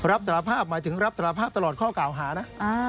รับสารภาพหมายถึงรับสารภาพตลอดข้อกล่าวหานะ